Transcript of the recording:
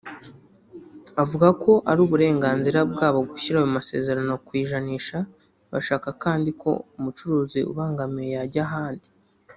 Avuga ko ari uburenganzira bwabo gushyira ayo masezerano ku ijanisha bashaka kandi ko umucuruzi ubangamiwe yajya ahandi